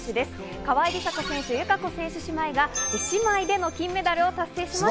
川井梨紗子選手、友香子選手姉妹が、姉妹での金メダルを達成しま